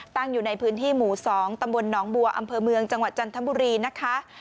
อยู่ในพื้นที่หมู่๒ตำบลหนองบัวอำเภอเมืองจังหวัดจันทบุรีนะคะ